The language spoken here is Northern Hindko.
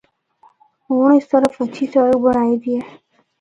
ہونڑ اس طرف ہچھی سڑک بنڑائی دی ہے۔